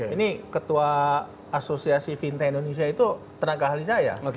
ini ketua asosiasi fintech indonesia itu tenaga ahli saya